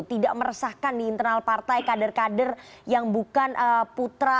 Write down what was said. tidak meresahkan di internal partai kader kader yang bukan putra